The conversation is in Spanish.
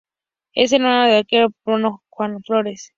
Es hermano del arquero peruano Juan Flores.